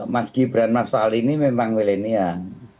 mas gibran mas fahli ini memang milenial